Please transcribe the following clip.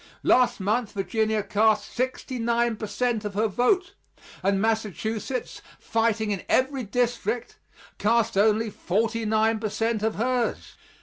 Last month Virginia cast sixty nine per cent of her vote; and Massachusetts, fighting in every district, cast only forty nine per cent of hers.